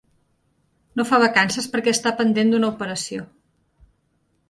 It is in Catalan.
No fa vacances perquè està pendent d'una operació.